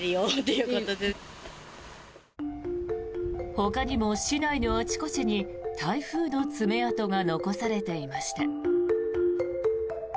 ほかにも市内のあちこちに台風の爪痕が残されていました。